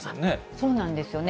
そうなんですよね。